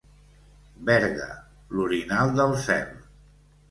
Berga, l'orinal del cel.